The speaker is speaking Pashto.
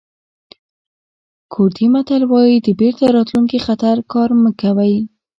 کوردي متل وایي د بېرته راتلونکي خطر کار مه کوئ.